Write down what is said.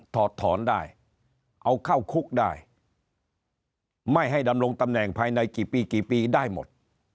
ถอดถอนได้เอาเข้าคุกได้ไม่ให้ดำรงตำแหน่งภายในกี่ปีกี่ปีได้หมด